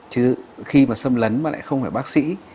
chứ khi mà xâm lấn mà lại không phải bác sĩ